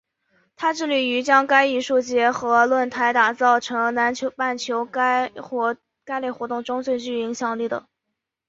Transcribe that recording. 它致力于将该艺术节和论坛打造成南半球该类活动中最具影响力的。